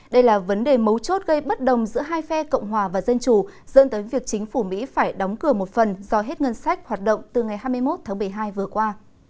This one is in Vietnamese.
đây là vấn đề mấu chốt gây bất đồng giữa hai phe cộng hòa và dân chủ dẫn tới việc chính phủ mỹ phải đóng cửa một phần do hết ngân sách hoạt động từ ngày hai mươi một tháng một mươi hai vừa qua